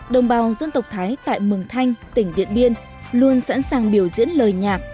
đồng bào dân tộc thái tại mường thanh tỉnh điện biên luôn sẵn sàng biểu diễn lời nhạc